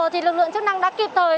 thì lực lượng chức năng đã kịp thời